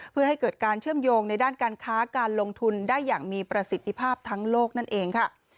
เพื่อให้เกิดการเชื่อมโยงในด้านการค้าการลงทุนได้อย่างมีประสิทธิภาพทั้งโลกนั่นเองค่ะ